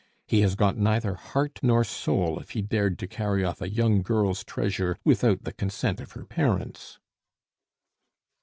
He has got neither heart nor soul if he dared to carry off a young girl's treasure without the consent of her parents."